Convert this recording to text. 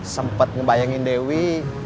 sempet ngebayangin dewi